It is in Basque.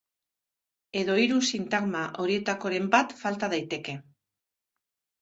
Edo hiru sintagma horietakoren bat falta daiteke.